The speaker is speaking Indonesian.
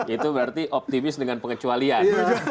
itu berarti optimis dengan pengecualian